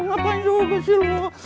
mas ngapain juga sih lu